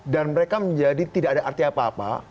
dan mereka menjadi tidak ada arti apa apa